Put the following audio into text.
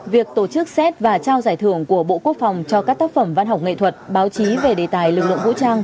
việc tổ chức xét và trao giải thưởng của bộ quốc phòng cho các tác phẩm văn học nghệ thuật báo chí về đề tài lực lượng vũ trang